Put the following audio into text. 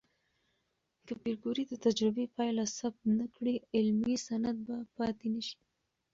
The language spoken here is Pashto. که پېیر کوري د تجربې پایله ثبت نه کړي، علمي سند به پاتې نشي.